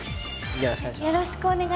よろしくお願いします。